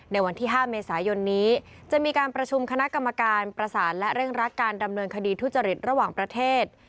ในวันที่๕เมษายนนี้จะมีการประชุมคณะกรรมการประสานและเร่งรัดการดำเนินคดีทุจริตระหว่างประเทศ